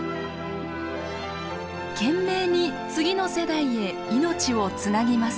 懸命に次の世代へ命をつなぎます。